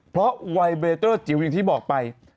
เพราะวัยเบเตอร์จิ๋วอย่างที่บอกไป